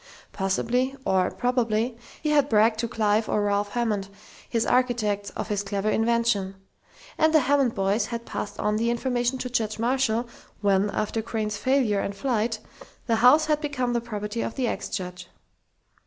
Possibly, or probably, he had bragged to Clive or Ralph Hammond, his architects, of his clever invention. And the Hammond boys had passed on the information to Judge Marshall, when, after Crain's failure and flight, the house had become the property of the ex judge.